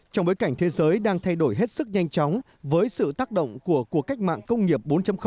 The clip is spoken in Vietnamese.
trong bối cảnh thế giới đang thay đổi hết sức nhanh chóng với sự tác động của cuộc cách mạng công nghiệp bốn